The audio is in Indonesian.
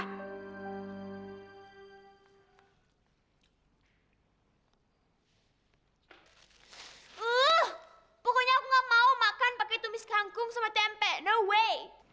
ih pokoknya aku gak mau makan pakai tumis kangkung sama tempe no way